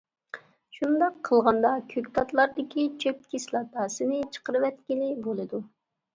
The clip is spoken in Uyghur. شۇنداق قىلغاندا كۆكتاتلاردىكى چۆپ كىسلاتاسىنى چىقىرىۋەتكىلى بولىدۇ.